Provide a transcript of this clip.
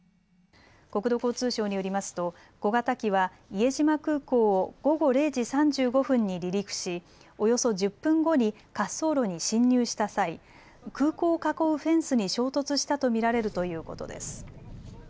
国土交通省によりますと小型機は伊江島空港を午後０時３５分に離陸し、およそ１０分後に滑走路に進入した際、空港を囲うフェンスに衝突したと見られるということです。